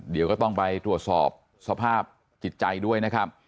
เดี๋ยวก็ต้องไปตรวจสอบสภาพจิตใจด้วยนะครับ